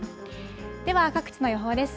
では各地の予報です。